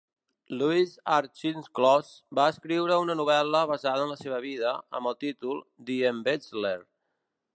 Louis Auchincloss va escriure una novel·la basada en la seva vida amb el títol "The Embezzler".